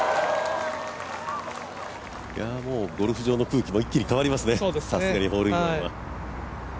もうゴルフ場の空気も一気に変わりますね、さすがにホールインワンは。